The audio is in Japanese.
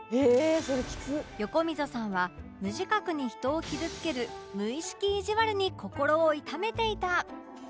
横溝さんは無自覚に人を傷つける無意識いじわるに心を痛めていた